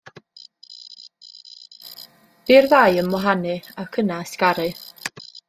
Bu i'r ddau ymwahanu ac yna ysgaru.